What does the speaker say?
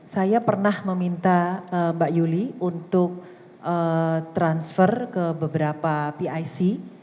saya pernah meminta mbak yuli untuk transfer ke beberapa pic